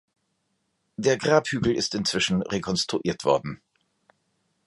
Der Grabhügel ist inzwischen rekonstruiert worden.